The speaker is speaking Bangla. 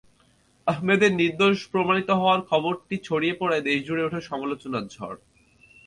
আহমেদের নির্দোষ প্রমাণিত হওয়ার খবরটি ছড়িয়ে পড়ায় দেশজুড়ে ওঠে সমালোচনার ঝড়।